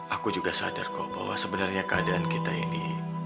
aku juga sadar kok bahwa sebenarnya keadaan kita ini